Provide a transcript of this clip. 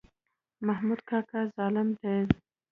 محمود کاکا ظالم دی.